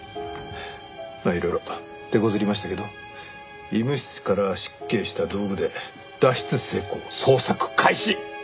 まあいろいろ手こずりましたけど医務室から失敬した道具で脱出成功捜索開始！